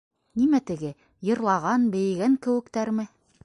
Нимә теге... йырлаған, бейегән кеүектәрме?